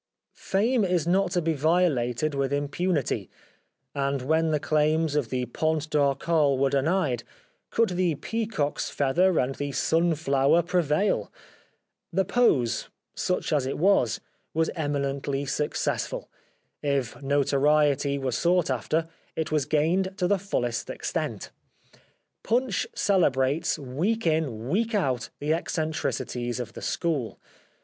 Fame is not to be violated with im punity ; and when the claims of the Pont d' Arcole were denied, could the peacock's feather and the sunflower prevail ? The pose, such as it was, was eminently successful. If notoriety were sought after, it was gained to the fullest extent. Punch celebrates week in week out the eccentricities of the school.